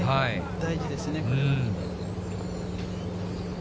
大事ですね、これは。